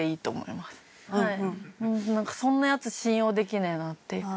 なんかそんなヤツ信用できねえなっていう。